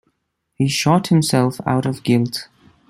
He shot himself out of guilt.